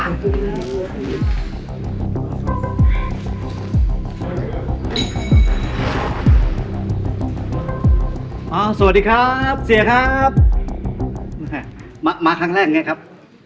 สวัสดีครับเสียครับแม่มามาครั้งแรกไงครับ